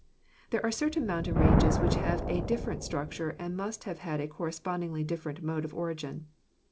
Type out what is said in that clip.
There are certain mountain ranges which have a differ ent structure and must have had a correspondingly differ ent mode of origin.